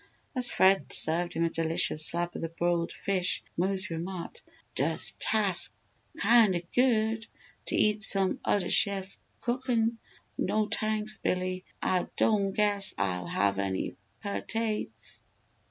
As Fred served him a delicious slab of the broiled fish Mose remarked, "Does tas' kinder good t' eat some odder chef's cookin'. No t'anks, Billy, Ah don' guess Ah'll have any pertates."